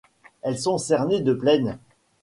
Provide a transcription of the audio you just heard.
Elles sont cernées de plaines.